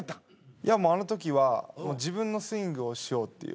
いやもうあの時は自分のスイングをしようっていう。